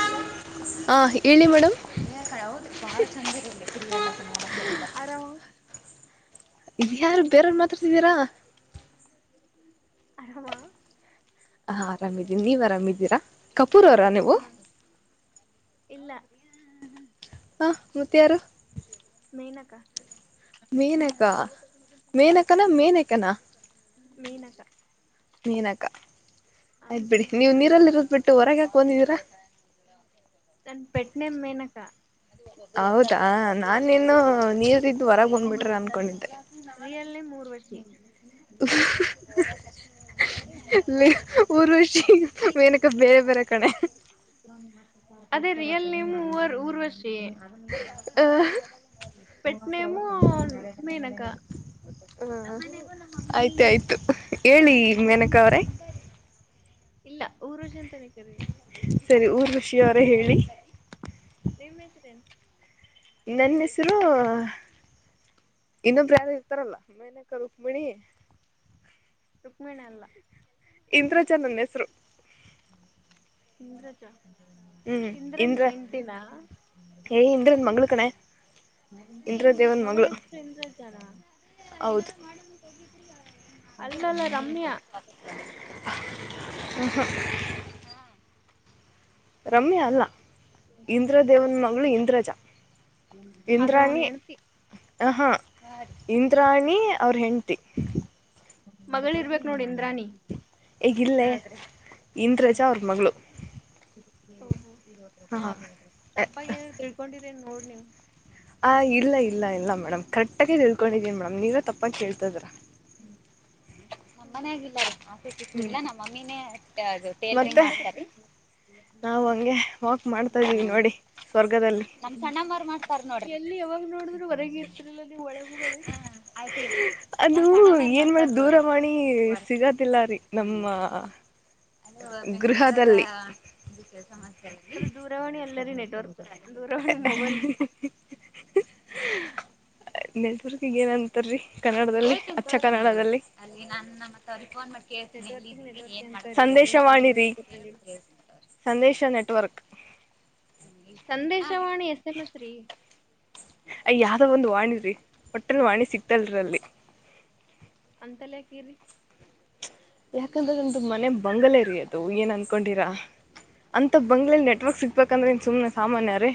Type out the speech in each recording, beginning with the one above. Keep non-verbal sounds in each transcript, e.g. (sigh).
Hello ಹೇಳಳಿ madam ಅೋ ಇದ ಯಾರು ಬೇರೆಯವ್ರ ಮಾತ್ರಾತಿದ್ದೀರಾ ಆರಾಮ ಹ ಆರಾಮಿದ್ದೀನಿ ನೀವ್ ಆರಾಮಿದ್ದೀರಾ ಕಪೂರ್ ಅವರ ನೀವು ಹಾ ಇಲ್ಲ ಹಾ ಮೂತ್ಯಾರು ನೀ ನಕ ಮೇನಕ್ಕ ಮೇನಕನಾ ಮೇನಕನಾ ಮೀನಕ ನೀನಕ್ಕ ಆಯ್ತ್ಬಿಡಿ ನೀವು ನೀರಲ್ಲಿ ಬಿಟ್ಟು ಹೊರಗೆಕ ಬಂದಿದೀರಾ ತಾನ ಪಟ್ಟನೆ ಮೇನಕ ಹೌದಾ ನಾನಿನು ನೀವಿದು ಹೊರಗ್ ಬಂದ್ಬಿಟ್ರ ಅನ್ಕೊಂಡಿದ್ದೆ ರಿಯಲ್ ನೇಮ್ ಊರ್ವಶಿ ನಾಲ ಪೂರ್ವಷಿ ಮೇನಕ್ಕೆ ಬೇರೆ ಬೇರೆ ಕಡೆ ಅದೇ ರಿಯಲ್ ನೇಮ್ ಊರ್ವಷ್ಟ ಆ ಪಟ್ಟನಮು ಮೇನಕ ಹ ಆಯ್ತ ಆಯ್ತು ಹೇಳಿ ಮೆನಕ ಅವ್ರೆ ಇಲ್ಲ ಊರು ಜ ಸರಿ ಊರ್ ವರ್ಷಿ ಅವರೇ ಹೇಳಿ ನಿಮ್ಸ್ರೇನ್ ನನ್ನ ಹೆಸರು ಇನ್ನೊಬ್ರ ಯಾರ ಇರ್ತಾರಲ್ಲ ಮೇನಕ ರುಕ್ಮಿಣಿ ರುಕ್ಮಿಣ ಅಲ್ಲ ಇಂದ್ರಜ ನನ್ನ ಹೆಸರು ಹಿಂದ್ರಜಾ ಹ್ಮ್ ಇಂದ್ರ ಏ ಇಂದ್ರನ್ ಮಗಳ್ ಕಣೆ ಇಂದ್ರ ದೇವನ್ ಮಗಳ ಮಗಳು ಹೆಷ್ಟರು ಎಂದ್ರ ಜಾನ ಹೌದು ಅಲ್ಲ ಅಲ್ಲ ರಮ್ಯಾ ಹಹ ರಮ್ಯಾ ಅಲ್ಲ ಇಂದ್ರ ದೇವನ್ ಮಗಳು ಇಂದ್ರಜ ಅದು ಅವನು ಹೆಣತಿ ಹ ಹಾ ಇಂದ್ರಾಣಿ ಅವ್ರ ಹೆಂಡತಿ ಮಗಳ ಇರ್ಬೇಕಕ್ ನೋಡಿ ಇಂದ್ರಾಣಿ ಹೇಗಿಲ್ಲೇ ಇಂದ್ರಜ ಅವ್ರ ಮಗಳು ಹ ಹಾ ತಪ್ಪಾಗ ಏನಾದರು ತಿಳ್ಕೊಂಡಿರೆ ನ್ ನೋಡ್ ನೀವ್ ಆ ಇಲ್ಲ ಇಲ್ಲ ಇಲ್ಲ ಮೇಡಮ್ ಕರೆಕ್ಟ್ ಆಗೇ ತಿಳ್ಕೊಂಡಿದ್ದೀ ಮೇಡಮ್ ನೀವೆ ತಪ್ಪ ಕೇಳ್ತಯಿದ್ರಾ ಹ್ಮ್ ನಮ್ಮನ ಆಗಿಲ್ಲ ರೀ ಆಸೆ ಸಿಷ್ಟಿಲ್ಲ ನಮ್ಮಮ್ಮಿನೇ ಏನ್ ತ್ತ ಮಾಡಕತ್ತೀರಿ ನಾವವು ಹಂಗೆ ವಾಕ್ ಮಾಡ್ತಾ ಇದೀವಿ ನೋಡಿ ಸ್ವರ್ಗದಲ್ಲಿ ನಮ ಸಣ್ಣಮ್ಮಾರ್ ಮಾಡ್ತಾರ ನೋಡ್ರಿ ಎಲ್ಲಿ ಯಾವಾಗ ನೋಡಿದ್ರು ಹೊರಗೆ ಇರ್ತಿರ್ಲಿಲ್ಲ ನೀವು ಒಳಗ ಹೋಗದೆ ಹ ಆಯ್ತ ಅದು ಏನ್ ದೂರ ಮಾಡಿ ಸಿಗದಿಲ್ಲ ರೀ ನಮ್ಮ ಅ ಗೃಹದಲ್ಲಿಯ ಅದು ದೂರವಾಣಿ ಅಲ್ಲರಿ ನೆಟ್ವರ್ಕ್ ದೂರವಾಣಿ ಮೊಬೈಲ್ (inaudible) (inaudible) ನಿೆಲ್ದುರ್ಗಿಗ ಏನಂತರರಿ ಕನ್ನಡದಲ್ಲಿ ಅಚ್ಚ ಕನ್ನಡದಲ್ಲಿ ಕೇಳ್ತನಿ ನೆಟ್ವರ್ಕಿಂಗ್ ಎರಿ ನೆಟ್ವರ್ಕ್ ಏನ್ ಅಂತಾರೀ ಸಂದೇಶ ಅದಕ್ಕಿನ್ನ ಕನ್ನಡದಾಗ ಮಾಡಿರಿ ಹಾಕೊಂಡಿ ಹ ಸಂದೇಶ ನೆಟ್ವರ್ಕ್ ಸಂದೇಶವಾಣಿ ಎಸ್ ಎಂ ಎಸ್ ರೀ ಅಯ ಯಾವ್ದ ಒಂದು ವಾಣಿರೀ ಒಟ್ಟನ್ ವಾಣಿ ಸಿಕ್ತಲ್ರಿ ಅಲ್ಲಿ ಅಂತಲ್ಲ ಹಾಕೀರಿ ಯಾಕಂದ್ರ ಒಂದು ಮನೆ ಬಂಗಲೇರಿ ಅದು ಏನ್ ಅನ್ಕೊಂಡಿರಾ ಅಂತ ಬಂಗ್ಲೆಲಿ ನೆಟ್ವರ್ಕ್ ಸಿಕ್ಬೇಕಂದ್ರೆ ಇನ್ ಸುಮನೆ ಸಾಮಾನ್ಯರೀ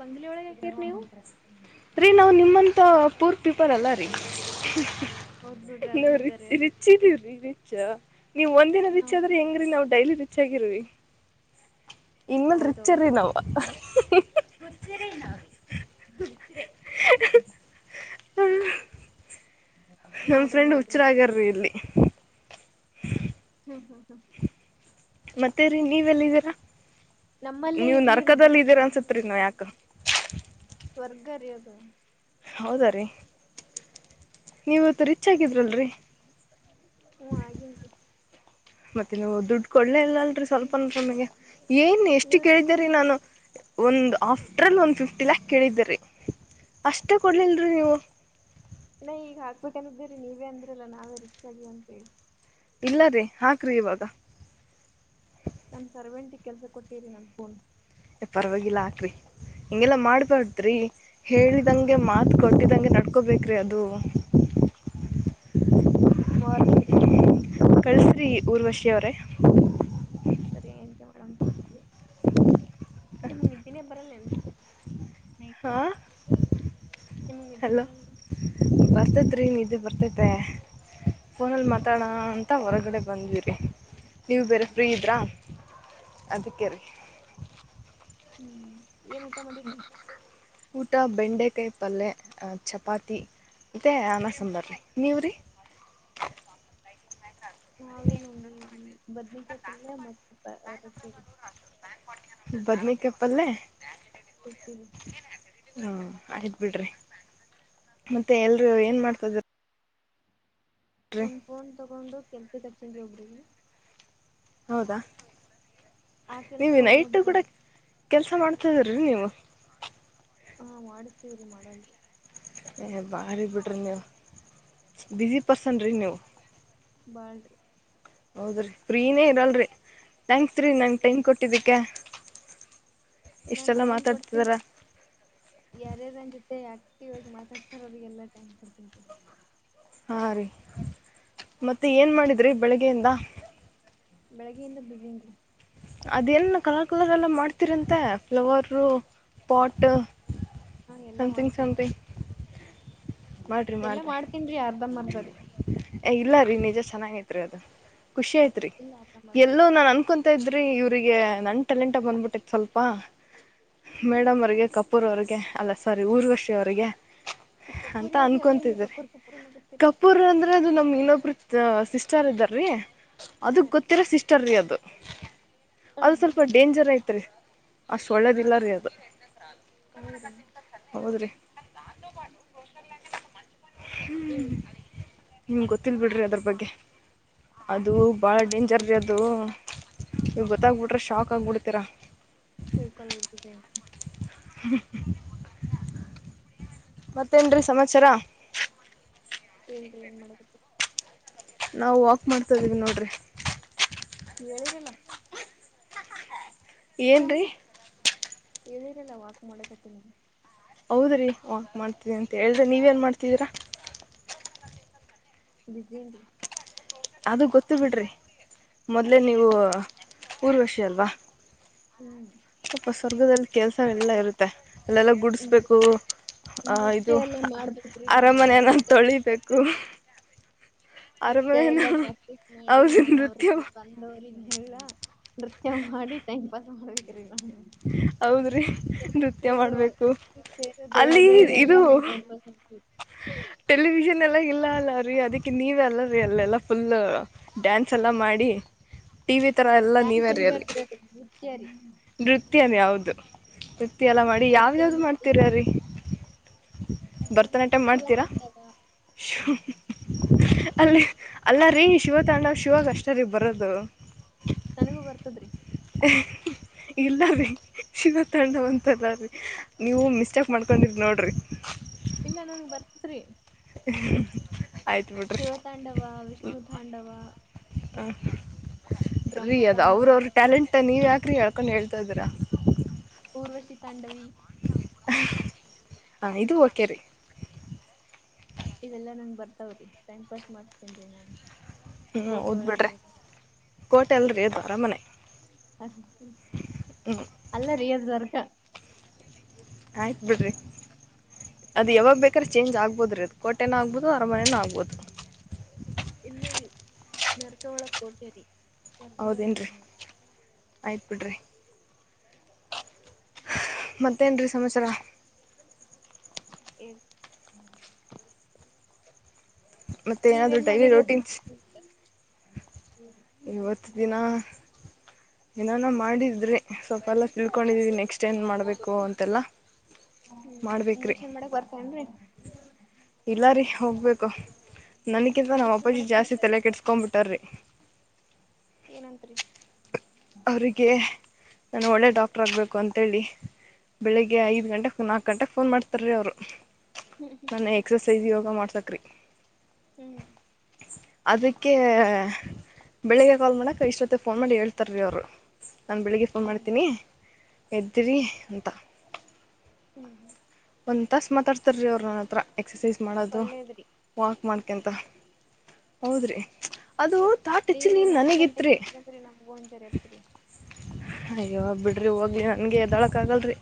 ಬಂಗ್ಲೆ ಒಳಗೆ ಹಾಕಿರಿ ನೀವು ರೀ ನಾ್ ನಿಮ್ಮಂತ ಪೂರ್ ಪಿಪರ್ ಅಲ್ಲ ರೀ ಹೌದ್ ಬಿಡ್ರಿ ನ್ ಅದನ್ನು ರಿಚ್ ಕರೆ ಅದ ರಿಚ್ ರಿಚಾ ನೀವ್ ಒಂದಿನ ರಿಚ್ ಆದ್ರೆ ಹೆಂಗ್ರೀ ನವು ಡೈಲಿ ರಿಚ್ ಆಗಿರುವಿ ಇನ್ಮೇಲ್ ರಿಚರ್ ನವ್ (unintelligible) ಹ ನಮ್ ಫ್ರೆಂಡ್ ಹುಚ್ಚರಗಾರ್ರಿ ಇಲ್ಲಿ ಹ್ಮ್ ಹ್ಮ್ ಹ್ಮ್್ಮ್ ಮತ್ತೇ ರೀ ನೀವೆಲ್ಲ ಇದೀರಾ ನಮ್ಮಲ್ಲೇ ನೀವು ಇರ್ಲಿರಿ ಗುಪ್ತ ನರಕದಲ್ಲ ಇದೀರಾ ಅನ್ಸುತ್ತ ಉತ್ತ ನೋಯಕ ಸ್ರ್ಗರದ ಹೌದ್ರೀ ನೀವತ್ತು ರಿಚ್ ಆಗಿದ್ರಲ್ರಿ ಹ್ಮ ಹಾಗೆ ಮತ್ತೆ ನೀವು ದುಡ್ಡು ಕೊಡ್ಲೇ ಇಲ್ಲ ಅಲ್ರರಿ ಸ್ವಲ್ಪ ನಮಗೆ ಏನ್ ಎಷ್ಟು ಕೇಳಿದ್ದೀರಿ ನೀವ್ರಿ ನಾನು ಒಂದು್ ಆಫ್ಟರ್ ಅಲ್ಲಿ ಒಂದು್ ಫಿಫ್ಟಿ ಲ್ಯಾಕ್ ಕೇಳಿದರಿ ಅಷ್ಟೇ ಕೊಡ್ಲಲ್ರರಿ ನೀವು ಇಲ್ಲ ಈಗ ಹಾಕ್ಬೇಕನ್ನಿದ್ದೀರಿ ನೀವೇ ಅಂದ್ರಲ್ಲ ನಾವೇ ರಿಚ್ ಆಗಿವ ಅಂತೇಳಿ ಇಲ್ಲ ರೀ ಹಾಕ್ರಿ ಇವಾಗ ನಮ ಸರ್ವಟಿ ಕೆಲ್ಸ ಕೊಟ್ಟಿರಿ ನಮ ೋನ್ ಪರವಾಗಿಲ್ಲ ಹಾಕ್ರರಿ ಹಿಂಗೆಲ್ಲಾ ಮಾಡ್ಬಾರ್ದ್ರಿ ಹೇಳಿದಂಗೆ ಮಾತ್ ಕೊಟ್ಟಿದಂಗೆ ನಡ್ಕೋಬೇಕ್ರಿ ಅದು ಷೂ ಮಾರ್ನಿಂಗ್ ರೀ ಕಳ್ಸ್ರಿ ಊರ್ವಷಿ ಅವ್ರೇ ನಿಮ್ನಿದ್ದನೇ ಬರಲ್ಲಟ ನತು ಹಾಂ ಮ ನಿಿ ಬರಲ್ಲ ಬರ್ತೈತ್ ರೀೇ ಬರ್ತೈತೆ ಫೋನಲ್ಲಿ ಮಾತಾಡ ಅಂತ ಹೊರಗಡೆ ಬಂದ್ವಿರಿ ನೀವು ಬೇರೆ ಫ್ರೀ ಇದ್ರಾ ಅದಕ್ಕೆ ರ ಹ್ಮ್ ಏನ್ ಊಟ ಮಾಡಿ ಊಟ ಬೆಂಡೆಕಾಯಿ ಪಲ್ೆ ಚಪಾತಿ ಮತ್ತ ಅನಸಂಬಾರ್ರೀ ನೀವ್ರಿ ಬದನಕಾಯಿ ಪಲ್ಯ ಮತ್ತ ರೊಟ್ಟಿಗೆ ಬದ್ಮ ಕಪ್ಪಲ್ಲೇ ಸತ ಹಾ ಅಟ್ ಬಿಡ್ರಿ ಮತ್ತೆ ಎಲ್ರುೂ ಏನ್ ಮಾಡ್ತಾದಾರ ನನ್ ಫೋನ್ ತಗೊಂಡು ಕೆಲ್ಸಕ್ಕೆ ಹರ್ಚ್ಚನ್ರಿ ಒಬ್ರಿಗೆ ಹೌದಾ ಆ ಕೆಲ್ಸ ನೀವು ನೈಟ್ ಹನೊಬ್ರು ಕೂಡ ನೋಡಕ್ ಕೆಲಸ ಮಾಡ್ತಿದೀ್ರೀ ನೀವು ಹಾ ಮಾಡಿಸತೀವ್ರಿ ಮಾಡಲ್ರಿ ಏ ಭಾರಿ ಬಿಡ್ರರಿ ನೀವು ಬಸಿ ಪರ್ಸನ್ ರೀ ನೀವು ಬರ್ಲ್ಡ್ ಹೌದ್ರಿ ಫ್ರೀನೇ ಇರಲ್ರರಿ ಥ್ಯಾಂಕ್ಸ್ ರೀ ನಂಗೆ ಇರಲ್ಲ ಟೈಮ್ ಕೊಟ್ಟಿದ್ದಿಕ ನಾನ್ ಟೈಮ್ ಕೊಡ್ತ ಯಾರ್ಯಾರನ್ ಜೊತೆ ಅೇ ಆಕ್ಟಿವ್ ಆಗಿ ಮಾತಾಡ್ತಾರ ಅವರಿಗೆಲ್ಲಾ ಟೈಮ್ ಕೊಡ್ತನ ಹಾ ರೀ ಮತ್ತೆ ಏನ್ ಮಾಡಿದ್ರಿ ಬೆಳಿಗ್ಗೆಯಿಂದ ಬೆಳಿಗ್ಗೆಯಿಂದ ಬಸಿಂರಿ ಅದೇನ್ ಕಲರ್ ಕಲರ್ ಎಲ್ಲ ಮಾಡ್ತೀರಂತೆ ಫ್ಲವರ್ ಪಟ್ಟ ಹಾ ಎಲ್ಲಾ ಸಮಥಂಗ್ ಮಾಡ್ತೀನಿ ಸಮಥಂಗ್ ಎಲ್ಲಾ ಮಾಡ್ತನ್ರಿ ಅರ್ಧ ಮರ್ಧ ಇಲ್ಲ ರೀ ನಿಜ ಚೆನ್ನಾಗೈತ್ರಿ ಅದು ಖುಷಿ ಆಯ್ತ್ ರೀ ಇಲ್ಲ ಅರ್ಧಂಬರ್ಧ ರೀ ಎಲ್ಲೋ ನಾನ್ ಅನ್ಕೊಂತ ಇದ್ರಿ ರೀ ಇವ್ರಿಗೆ ನನ್ ಟ್ಯಾಲೆಂಟ್ ಬಂದ್ಬಿಟೈತ್ ಸ್ವಲ್ಪ ಮೇಡಮ್ ಅವ್ರಿಗೆ ಕಪೂರ್ ಅವ್ರಿಗೆ ಅಲ್ಲ ಸಾರಿ ಊರ್ವಶ್ರೀ ಅವ್ರರಿಗೆ ಈಪುರಿಯ (inaudible) ಅನ್ಕೊತಿದ್ದೆ ರೀ ಕಪೂರ್ ಅಂದ್ರೆ ಅದು ನಮ್ ಇನ್ನೊಬರು ಸಿಸ್ಟರ್ ಇದ್ದಾರ್ ರೀ ಅದು ಹಾ ರೀ ಗೊತ್ತಿರಾ ಸಿಸ್ಟರ್ ರೀ ಅದು ಅದು ಸ್ವಲ್ಪ ಡೇಂಜರ್ ಐತ್ರಿ ಅಷ್ಟ್ ಒಳ್ಳೇದಿಲ್ಲ ರೀ ಅದು ಹೌದ್ರೀ (inaudible) ಹೋದ್ರಿ ಹ್ಮ್ ಹೇಳ್ ನಿಮ್ಗೆ ಗೊತ್ತಿಲ್ ಬಿಡ್ರಿ ಅದ್ರ ಬಗ್ಗೆ ಅದು ಬಾಳ ಡೇಂಜರ್ ರೀ ಅದು ನೀವ್ ಗೊತ್ತಾಗ್ಬಿಟ್ರೆ ಶಾಕ್ ಆಗ್ಬಿಡ್ತೀರಾ ಬಳ್ಕೊಲ್ (inaudible) ಮತ್ತೇನ್ ರೀ ಸಮಾಚಾರ ಹೇಳ್ರಿ ಏನ್ ಮಾಡಕತ್ತಿರಿ ನಾವು ವಾಕ್ ಮಾಡ್ತಾ ಇದೀವಿ ನೋಡ್ರಿ ಹೇಳಿರಿಲ್ಲ ಏನ್ರೀ ಹೇಳಿರಲ್ಲ ವಾಕ್ ಮಡಕತ್ತಿನಿ ಹೌದ್ರೀ ವಾಕ್ ಮಾಡ್ತೀದಿನಿ ಅಂತ ಹೇಳ್ದೆ ನೀವ್ ಏನ್ ಮಾಡ್ತಿದ್ದೀರಾ ಬಿಸಿ ಏನ್ರಿ ಅದು ಗೊತ್ತು ಬಿಡ್ರಿ ಮೊದ್ಲೆ ನೀವು ಊರ್ವಶಿ ಅಲ್ವಾ ಹ್ಮ್ ಅಪ್ಪ ಸ್ವರ್ಗದಲ್ಲಿ ಕೆಲಸ ಎಲ್ಲ ಇರುತ್ತೆ ಅಲ್ಲೆಲ್ಲ ಗುಡಿಸ್ಬೇಕು ನೃತ್ಯ ಇದು ಎಲ್ಲ ಮಾಡ್ಬೇಕ್ರಿ ನಾನು ಅರಮನೆಯನ ನೃತ್ಯನ ತೊಳಿಬೇಕು ಪ್ರಾಕ್ಟೀಸ್ ನೃತ್ಯ ಅರಮನೆನ ಎಲ್ಲಾ ಪ್ರಾಕ್ಟೀಸ್ ಮಾಡಿ ಅವ್ರ ನಾನು ಅವ್ರ್ ನೃತ್ಯ ಬಂದವ್ರಿಗ್ ಹೇಳ ನೃತ್ಯ ಹಾಡಿ ಟೈಮ್ ಪಾಸ್ ಮಾಡ್ಬೇಕ್ ರೀ ನಾನು ಹೌದ್ರಿ ನೃತ್ಯ ಸೇರೋ ಮಾಡ್ಬೇಕು ಸೇರೋ ಅಲ್ಲಿ ಇದು ದೇಹಗಳಿಗೆಲ್ಲಾ ನಾನ್ ಟೈಮ್ ಪಾಸ್ ಮಾಡ್ತೀನಿ. ಟೆಲಿವಿಷನ್ ಎಲ್ಲ ಇಲ್ಲ ಅಲ್ಲ ರೀ ಅದಕ್ಕೆ ನೀವೆ ಅಲ್ಲ ರಿೀ ಅಲ್ಲೆಲ್ಲಾ ಫುಲ್ ಡ್ಯಾನ್ಸ್ ಎಲ್ಲಾ ಮಾಡಿ ಟಿವಿ ತರ ಎಲ್ಲ ಡ್ಯಾನ್ಸ್ ನೀವೆರಿ ಅಲ್ಲಿ- ಅನ್ಬಾರ್ದ್ರಿ ಅದು ನೃತ್ಯ ರೀ ನೃತ್ಯನೆ ಹೌದು ವೃತ್ತಿ ಎಲ್ಲ ಮಾಡಿ ಯಾವ್ ನೃತ್ಯ ಯಾವ್ದ್ ಮಾಡಿ ಮಾಡ್ತೀರ ರೀ (inaudible) ಭರತನಾಟ್ಯ ಮಾಡ್ತೀರಾ ಶಿವತಾಂಡವ ಅಲ್ಲಿ ಅಲ್ಲ ರೀ ಶಿವ ತಾಂಡವ ಶಿವಗಷ್ಟ ರೀ ಬರದು ನನಗೂ ಬರ್ತದ್ರಿ ಇಲ್ಲ ರೀ ಶಿವ ತಂಡವ ಅಂತದ ಅದು ನೀವು ಮಿಸ್ಟಾಕ್ ಮಾಡ್ಕೊಂಡಿರ್ ನೋಡ್ರಿ ಇಲ್ಲ ನನ್ಗ್ ಬರ್ತಿದ್ರಿ (inaudible) ಶಿವತಾಂಡವ ವಿಷ್ಣು ತಾಂಡವ ಹ ರೀ ಬ್ರಹ್ಮ ಅದು ತಾಂಡವ ಅವ್ರವ್ರ ಟ್ಯಾಲೆಂಟ್ ನೀವು ಯಾಕ್ ರಿ ಹೇಳ್ಕೊಂಡು ಹೇಳ್ತಾ ಇದರ ಊರ್ವಶಿ ತಾಂಡವಿ ಹ ಇದು ಓಕೆ ರೀ ಇವೆಲ್ಲಾ ನಂಗ್ ಬರ್ತಾವ್ರೀ ಟೈಮ್ ಪಾಸ್ ಮಾಡ್ತೇನ್ ರೀ ನಾನು ಹ್ಮ್ ಕೋಟೆ ಹೌದ್ ಬಿಡ್ರಿ ಒಳಗಿರೋದು ಕೋಟೆ ಅಲ್ರಿ ಅದು ಅರಮನೆ ಹ ಹ್ಮ್ ಅಲ್ಲ ರೀ ಅದು ದರ್ಕ ಆಯ್ತ್ ಬಿಡ್ರಿ ಅದು ಯಾವಾಗ ಬೇಕಾದ್ರೆ ಚೇಂಜ್ ಆಗ್ಬೋದು ರೀ ಅದು ಕೋಟೆನೂ ಆಗ್ಬೋದು ಅರಮನೆನೂ ಆಗ್ಬೋದು ಇಲ್ಲರಿ ನರ್ಕವಳ ಕೋಟ್ಟರಿ ಸ್ವರ್ಗವಳ ಕರ ಮಣರಿ ಆಯ್ತು ಬಿಿಡ್ರಿ ಮತ್ತೇನ್ ೀ ಸಮಮ್ಮಾಚರ ಇ ಮತ್ತೆ ಏನಾದ್ರು ಡೈಲಿ ಮಾಡಿರಿ ಅದು ರೋಟೀನ್ಸ್ ಇವತ್ತು ದಿನ ಏನಾನ ಮಾಡಿದ್ರಿ ಸ್ವಲ್ಪ ಎಲ್ಲ ತಿಳ್ಕೊಂಡಿದೀವಿ ನೆಕ್ಸ್ಟ್ ಏನ್ ಮಾಡ್ಬೇಕು ಅಂತೆಲ್ಲಾ ಮಾಡ್ಬೇಕ್ರಿ ಇಂಜೆಕ್ಷನ್ ಮಾಡಕ್ ಬರ್ತೇನ್ರೀ ಇಲ್ಲ ರೀ ಹೋಗ್ಬೇಕು ನನ್ಕಿಂತ ನಾ್ ಇಂಜೆಕ್ಷನ್ ಅಪೋಜಿಟ್ ಮಾಡಕ್ ಜಾಸ್ತಿ ಬರಲ್ಲ ರೀ ತಲೆ ಕೆಟ್ಿಸಸ್ಕೊ್ ಬಿಟಾರ್ರೀ ಏನಂತರಿ ಅವರಿಗೆ ನಾನು ಒಳ್ಳೆ ಡಾಕ್ಟ್ರ ಆಗಬೇಕು ಅಂಂತೇಳಿ ಬೆಳಿಗ್ಗೆ ಐದ ಗಂಟೆಗೆ ನಾಕಕ್ ಗಂಟೆಗೆ ಫೋನ್ ಮಾಡ್ತಾರೀ ಅವ್ರು ನನ್ ಎಕ್ಸಸೈಜ ಯೋಗ ಮಾಡ್ಸಕ್ರಿ ಹ್ಮ್ ಅದಕ್ಕೆ ಬೆಳಿಗ್ಗೆ ಕಾಲ್ ಮಾಡಕ ಇಷ್ಟೊತ್ತ ಫೋನ್ ಮಾಡಿ ಹೇಳ್ತಾರ ರೀ ಅವರು ನಾ ಬೆಳಿಗ್ಗೆ ಫೋನ್ ಹ್ಮ್ ಮಾಡ್ತೀನಿ ಎದ್ದಿರಿ ಅಂತ ಹ್ಮ್ ಹ್ಮ್ ತಸ ಮಾತಾಡ್ತಾರೆ ರೀ ಅವ್ರು ನನ್ನ ಹತ್ರ ಎಕ್ಸಸೈಸ್ ಮಾಡೋದು ಒಳ್ಳೇದ್ರಿ ವಾಕ್ ಮಾಡ್ಕಂತ ಹೌದ್ರಿ ಅದು ತಾಟ್ ನೀವು ಆ್ಯಕ್ಚುಲಿ ನಾಕ್ ನನಗಿತ್ತು ಗಂಟೆಗೆ ರೀ ಎದ್ರಿ ಅಂದ್ರೆ ನಮ್ ಬೋನ್ಜಾರಿ ಇರ್ತ್ರಿ ಅಯ್ಯವಾಗ ಬಿಡ್ರಿ ಹೋಗ್ಲಿ ನನ್ಗೆ ಎದೊಳಕ್ ಆಗಲ್ರಿ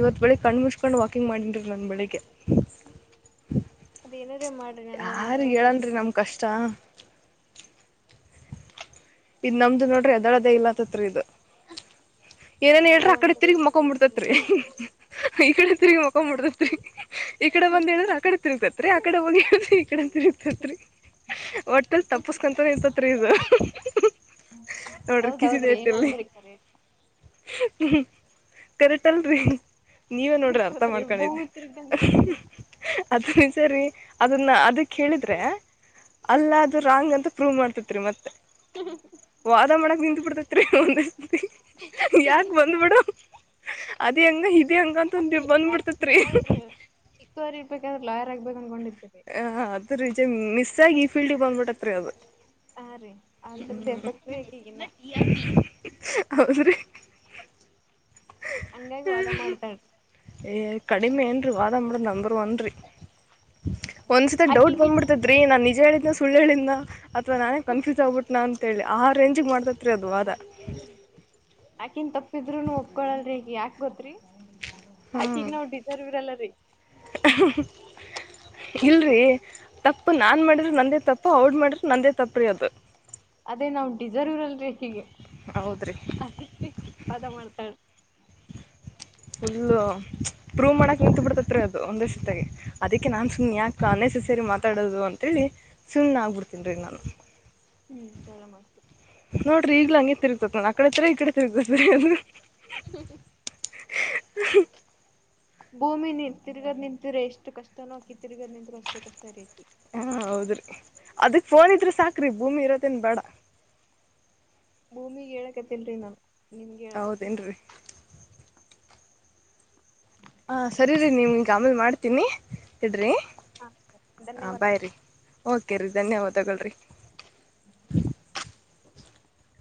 ಇವತ್ ಬೆಳಿಗ್ ಕಣ್ ಮುಚ್ಕೊಂಡ್ ಹತ ಕುಕ್ಕಿಂಗ್ ಮಾಡನ್ರು ನನ್ನು ಬೆಳಿಗ್ಗೆ ಅದ್ ಏನಾರ ಮಾಡ್ರಿ ನನ್ಗ ಒಂದ್ ಯಾರ ಮಿಸ್ ಕಾಲ್ ಕೊಡ್ರಿ ಹೇಳನ್ರಿ ನಮ್ ಕಷ್ಟ ಇ ನಮ್ದು ನೋಡ್ರಿ ಎದಳದೇ ಇಲ್ಲ ಅತ್ತ್ರ ಇದು ಏನೇನ್ ನಾವು ಹೇಳ್ರಿ ಆಕಡೆ ಒಂದ್ಸಲ ತಿರ್ಗಿ ಮಕೊ್ ಎದ್ದಿ ಬಿಿಡ್ತೇತ್ರಿ ಈ ಕಡೆ ತಿರುಗಿ ಮಕ ಮುಡತ್ರಿ ಈ ಕಡೆ ಬಂದ್ ಹೇಳಿದ್ರ ಆ ಕಡೆ ತಿರ್ಗತತ್ರಿ ಈ ಕಡೆ ಹೋಗಿ ಹೇಳರಿ ಈಕಡೆ ಅಂತ ಇತತ್ರಿ ಹಟೆಲ್ ತಪ್ಪಸ್ಕೊಂತ ಇರ್ತತ್ರಿ ಇದು ಹ್ಮ ನೋಡ್ರಿ ಕಿಸಿದ ಹೌದೌದ್ರಿ ಏನ್ ಅಂದ್ರತರಿ ಕರಟಲ್ರಿ ನೀವೇ ನೋಡ್ರಿ ಅರ್ಥ ತಿರ್ತತ್ರಿ ಮಾಡ್ಕೊಂಡೆ ಭೂಮಿ ತಿರ್ಗ್ದಂಗ ತಿರ್ತ ಅದ ಸರಿ ಅದನ್ನ ಅದಕ್ಕೆ ಹೇಳಿದ್ರೆ ಅಲ್ಲ ಅೂ ರಾಂಗ್ ಅಂತ ಪ್ರೂವ್ ಮಾಡ್ತೇತ್ರಿ ಮತ್ತೆ ವಾದ ಮಾಡಕ್ ನಿಂತ ಬಿಿಡ್ತೇತ್ರಿ ಒಂದ ಯಾಕ ಬಂದ್ ಬಿಿಡ ಅದ ಹೆಂಗ ಆಚುಲಿ ಅವ್ರು ಚಿಕ್ಕವರ್ ಇರ್ಬೇಕಾದ್ರೆ ಲಾಯರ್ ಆಗ್ಬೇಕು ಅನ್ಕೊಂಡಿದ ಹ ಅದ ರೀಜ ಮಿಸ್ ಆಗಿ ಈ ಫೀಲ್ಡ್ ಬಂದ್ಬಿಟ್ಟತ್ರಿ ಅದು ಹಾ ರೀ ಅದ್ರದ್ದ ಎಫಕ್ಟ್ರ ಆಾಕ ಈಗಿನ ಹ ಹಂಗಾಗಿ ವಾದ ಮಾಡ್ತಾಳೆ ಏ ಕಡಿಮೆ ಏನು ರೀ ವಾದಂಬಡ ನಂಬರ್ ಒನ್ ರೀ ಒಂದ್ಸಿತ ಡೌಟ್ ಆಕಿಗಿ ಬಂದ್ಬಿಡ್ತದ್ರಿ ನ ನಿಜ ಹೇಳಿದ್ ಸು ಹೇಳಿಂದನ ಅಥವಾ ನಾನೇ ಕನ್ಫ್ಯೂಸ್ ಆಗ್ಬಿಟ್ನನಾ ಅಂತ ಹೇಳಿ ಆ ರೇಂಜಿಿಗೆ ಮಾಡ್ತತ್ ರರಿ ಅದು ಅದ ಯಾಕಿನ್ ತಪ್ಪಿದ್ರುನು ಒಪ್ಕೊಳಲ್ರಿಗ ಯಾಕಕ್ ಗೊತ್್ರರಿ ಹಾಕಿಗ್ ಹ್ಮ್ ನಾವವು ಡಿಸರ್ವಿರಲ್ಲರಿೀ ಇಲ್ರಿ ತಪ್ಪು ನಾನ್ ಮಾಡ್ರರು ನಂದೇ ತಪ್ಪು ಅವ್ಡ್ ಮಾಡ್ರರು ನಂದೇ ತಪ್ಪ್ರೀ ಅದು ಅದೇ ನಾವವು ಡಿಸರ್ ಇರಲ್ರಿ ಹೀಗೆ ಹೌದ್ರಿ ಅದಕ್ಕೆ ಪಾದ ಮಾಡ್ತಾಳಿ ಫುಲ್ ಪ್ರೂವ್ ಮಾಡಕ್ ನಿಂತು ಬಿಿಡ್ತತ್ರಿ ಅದು ಒಂದಷ್ಟತ್ತಾಗ ಅದಕ್ಕೆ ನಾನ್ ಸುಮ್ ಯಾಕ ಅ (inaudible) ಸೇರಿ ಮಾತಾಡೋದು ಅಂತೇಳಿ ಸುಮ್ನೆ ಆಗ್ಬಿಡ್ತನ್ ರೀ ನಾನು.. ಹ್ಮ್ ಚರ ಮಾಡ್.. ನೋಡ್ರಿ ಈಗ್ಲ ಹಂಗಿ ತಿರ್ಗ್ತೇತ್ ನ ಆ ಕಡೆ ಹತ್ರ ಈ ಕಡೆ ತಿರುಗ್ತತ್ರಿ ಅ.. ಹ್ಮ. ಹ. ಭೂಮಿ ತಿರ್ಗದ್ ನಿಂತಿರ್ರ ಎಷ್ಟು ಕಷ್ಟನೋ ಆಕಿ ತಿರ್ಗದ್ ನಿಂತರು ಅಷ್ಟೇ ಕಷ್ಟ ರಐತಿ.. ಹ ಹೌದ್ರಿ ಅದಕ್ ಫೋನ್ ಇದ್ರೆ ಸಾಕ್ರಿ ಭೂಮಿ ಇರೋತ್ತೇನ್ ಬೇಡ. ಭೂಮಿಗ್ ಹೇಳಕತಿಲ್ರಿ ನಾ ನಿಮ್ಗೆ ಹೇಳಕತ್ತ. ಹೌದೇನು ರೀ ಹ ಸರಿ ರರಿ ನೀವ್ ಈಗ ಆಮೇಲ್ ಮಾಡ್ತೀನಿ ಇಡ್ರಿ.. ಹಾ ಹ ಧನ್ಯವಾದಗಳು. ಬಾಯ್ರರಿ ಓ. ರಿ ಧನ್ಯವ ತಗಳ್ರಿ.